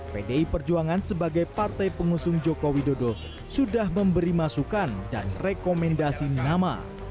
pdi perjuangan sebagai partai pengusung joko widodo sudah memberi masukan dan rekomendasi nama